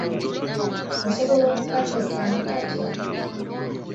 Osobola okukanteekamu kati?